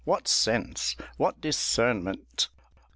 what sense! what discernment!"